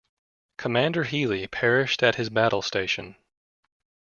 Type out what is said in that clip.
Commander Healy perished at his battle station.